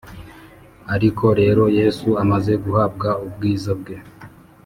ariko rero Yesu amaze guhabwa ubwiza bwe